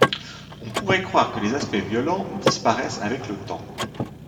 On pourrait croire que les aspects violents disparaissent avec le temps.